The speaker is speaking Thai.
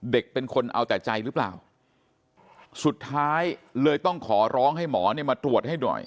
เด็กเป็นคนเอาแต่ใจหรือเปล่าสุดท้ายเลยต้องขอร้องให้หมอเนี่ยมาตรวจให้หน่อย